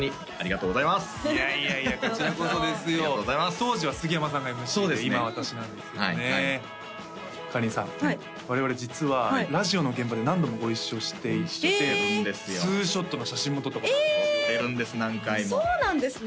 当時は杉山さんがＭＣで今私なんですけどねかりんさん我々実はラジオの現場で何度もご一緒していてツーショットの写真も撮ったことあるんです撮ってるんです何回もそうなんですね